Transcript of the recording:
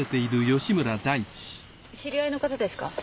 知り合いの方ですか？